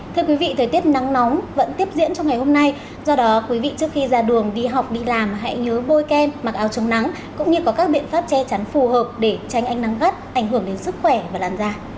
thưa quý vị thời tiết nắng nóng vẫn tiếp diễn trong ngày hôm nay do đó quý vị trước khi ra đường đi học đi làm hãy nhớ bôi kem mặc áo chống nắng cũng như có các biện pháp che chắn phù hợp để tránh ánh nắng gắt ảnh hưởng đến sức khỏe và làn da